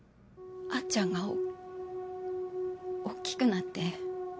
あっちゃんが大っきくなって。